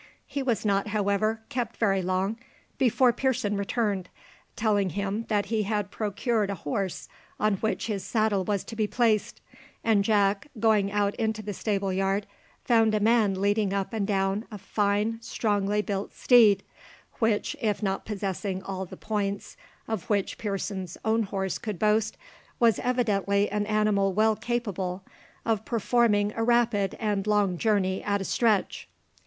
He was not, however, kept very long before Pearson returned, telling him that he had procured a horse on which his saddle was to be placed; and Jack, going out into the stable yard, found a man leading up and down a fine, strongly built steed, which, if not possessing all the points of which Pearson's own horse could boast, was evidently an animal well capable of performing a rapid and long journey at a stretch.